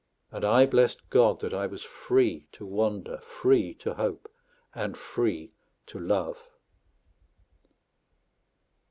_" And I blessed God that I was free to wander, free to hope, and free to love.